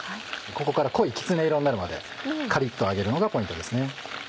ここから濃いきつね色になるまでカリっと揚げるのがポイントですね。